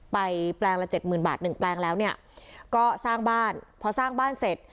แปลงละเจ็ดหมื่นบาทหนึ่งแปลงแล้วเนี่ยก็สร้างบ้านพอสร้างบ้านเสร็จ